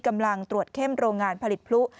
กำลังตรวจเข้มโรงงานผลิตพลุ